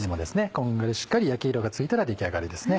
こんがりしっかり焼き色がついたら出来上がりですね。